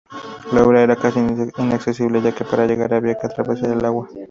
La obra era casi inaccesible ya que para llegar había que atravesar el agua.